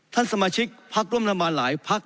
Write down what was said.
สมาชิกพักร่วมรัฐบาลหลายพัก